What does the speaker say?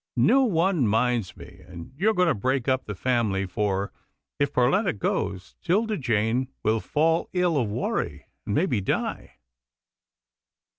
No one minds me, and you're going to break up the family, for, if Perletta goes, 'Tilda Jane will fall ill of worry, and maybe die."